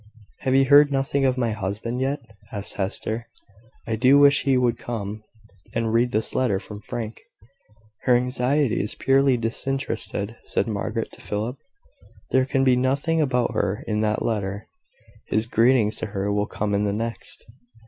"Have you heard nothing of my husband yet?" asked Hester. "I do wish he would come, and read this letter from Frank." "Her anxiety is purely disinterested," said Margaret to Philip. "There can be nothing about her in that letter. His greetings to her will come in the next."